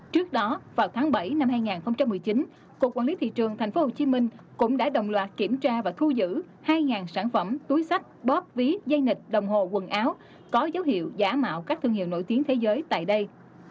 trước đó vào tháng bảy năm hai nghìn một mươi chín cục quản lý thị trường thành phố hồ chí minh cũng đã đồng loạt kiểm tra và thu giữ hai sản phẩm túi sách bóp ví dây nịch đồng hồ quần áo có dấu hiệu giả mạo các thương hiệu nổi tiếng thế giới tại đây